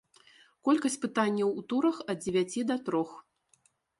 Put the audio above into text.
Колькасць пытанняў у турах ад дзевяці да трох.